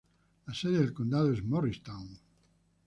La sede del condado es Morristown.